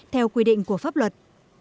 theo quy định của pháp luật